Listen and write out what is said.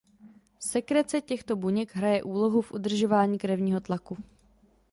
Sekrece těchto buněk hraje úlohu v udržování krevního tlaku.